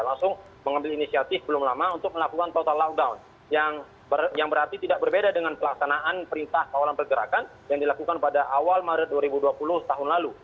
langsung mengambil inisiatif belum lama untuk melakukan total lockdown yang berarti tidak berbeda dengan pelaksanaan perintah kawalan pergerakan yang dilakukan pada awal maret dua ribu dua puluh tahun lalu